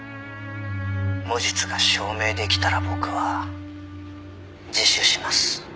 「無実が証明できたら僕は自首します」